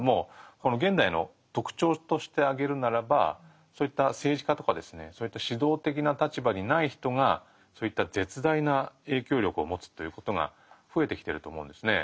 この現代の特徴として挙げるならばそういった政治家とかですねそういった指導的な立場にない人がそういった絶大な影響力をもつということが増えてきてると思うんですね。